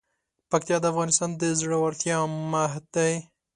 پکتیا د افغانستان د زړورتیا مهد دی.